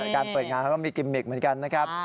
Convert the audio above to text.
การเปิดงานเขาก็มีกิมมิกเหมือนกันนะครับ